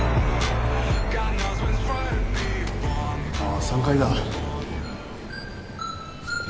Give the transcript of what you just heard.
あ３階だ。